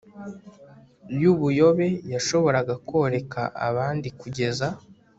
yubuyobe yashoboraga koreka abandi kugeza